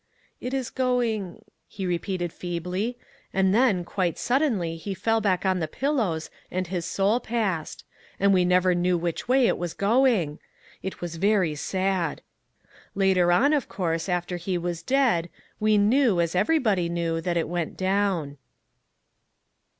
"'It is going' he repeated feebly and then, quite suddenly he fell back on the pillows and his soul passed. And we never knew which way it was going. It was very sad. Later on, of course, after he was dead, we knew, as everybody knew, that it went down."